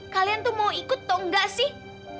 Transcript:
kalian tuh mau ikut atau enggak sih